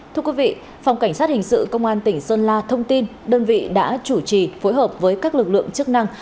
thưa quý vị phòng cảnh sát hình sự công an tỉnh sơn la thông tin đơn vị đã chủ trì phối hợp với các lực lượng chức năng